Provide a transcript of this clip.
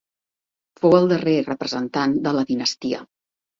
Fou el darrer representant de la dinastia.